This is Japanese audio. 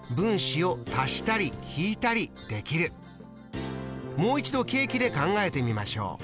もう一度ケーキで考えてみましょう。